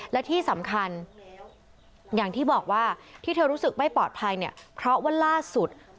และที่สำคัญอย่างที่บอกว่าที่เธอรู้สึกไม่ปลอดภัยเนี่ยเพราะว่าล่าสุด